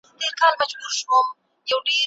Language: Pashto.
د ماشومانو ژیړی څنګه درملنه کیږي؟